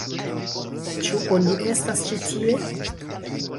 Ĉu oni estas ĉi tie?